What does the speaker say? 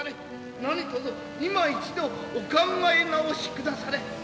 何とぞいま一度お考え直しくだされ。